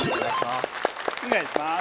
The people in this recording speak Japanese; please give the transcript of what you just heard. お願いします。